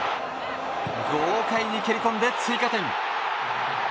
豪快に蹴り込んで追加点。